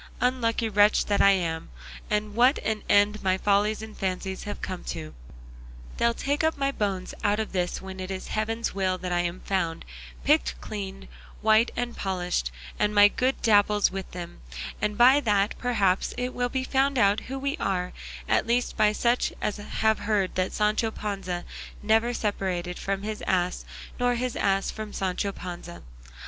Unlucky wretch that I am, what an end my follies and fancies have come to! They'll take up my bones out of this, when it is heaven's will that I'm found, picked clean, white and polished, and my good Dapple's with them, and by that, perhaps, it will be found out who we are, at least by such as have heard that Sancho Panza never separated from his ass, nor his ass from Sancho Panza.